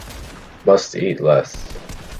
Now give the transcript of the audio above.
must eat less